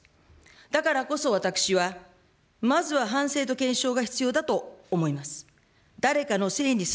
だからこそ、私はまずは反省と検証が必要だと思います。